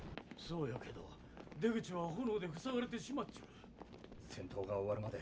そうやけど出口は炎で塞がれてしまっちょる。